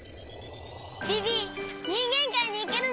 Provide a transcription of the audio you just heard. ビビにんげんかいにいけるね。